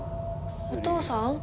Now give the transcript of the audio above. お父さん？